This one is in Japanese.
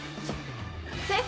先生？